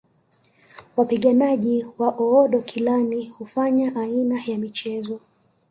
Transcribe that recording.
Wapiganaji wa Oodokilani hufanya aina ya mchezo